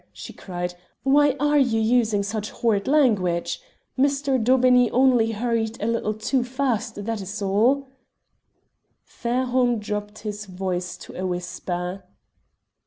she cried. "Why are you using such horrid language? Mr. Daubeney only hurried a little too fast, that is all." Fairholme dropped his voice to a whisper.